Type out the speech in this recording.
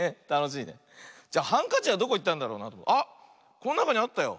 こんなかにあったよ。